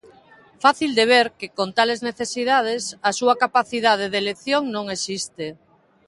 Fácil de ver que con tales necesidades a súa capacidade de elección non existe.